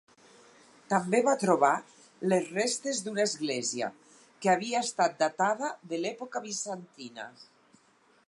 També va trobar les restes d'una església, que havia estat datada de l'època bizantina.